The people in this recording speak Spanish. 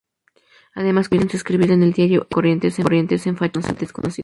Además comenzó a escribir en el diario "El Eco de Corrientes", en fecha desconocida.